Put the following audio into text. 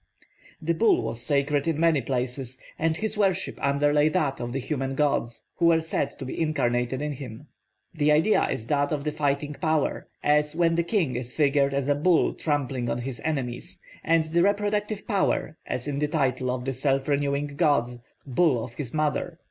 The bull was sacred in many places, and his worship underlay that of the human gods, who were said to be incarnated in him. The idea is that of the fighting power, as when the king is figured as a bull trampling on his enemies, and the reproductive power, as in the title of the self renewing gods, 'bull of his mother.'